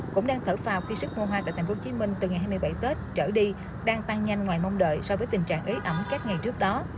cũng đang thở phào khi sức mua hoa tại thành phố hồ chí minh từ ngày hai mươi bảy tết trở đi đang tăng nhanh ngoài mong đợi so với tình trạng ế ẩm các ngày trước đó